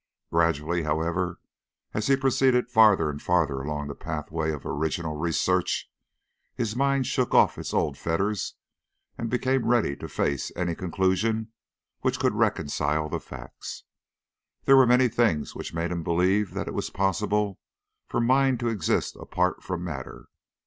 Gradually, however, as he proceeded farther and farther along the pathway of original research, his mind shook off its old fetters and became ready to face any conclusion which could reconcile the facts. There were many things which made him believe that it was possible for mind to exist apart from matter.